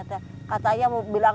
tahu tahu tidak berkahwin lagi